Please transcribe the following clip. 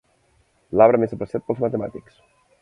L'arbre més apreciat pels matemàtics.